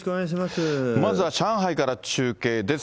まずは上海から中継です。